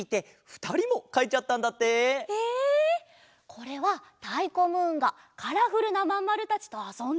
これはたいこムーンがカラフルなまんまるたちとあそんでいるところかな？